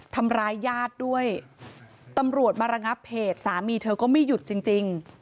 ทำร้ายญาติด้วยตำรวจมาระงับเหตุสามีเธอก็ไม่หยุดจริง